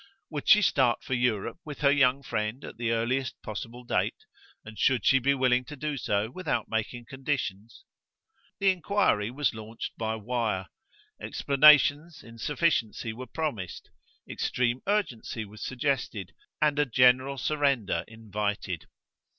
Would she start for Europe with her young friend at the earliest possible date, and should she be willing to do so without making conditions? The enquiry was launched by wire; explanations, in sufficiency, were promised; extreme urgency was suggested and a general surrender invited.